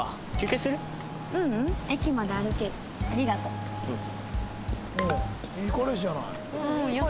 うん。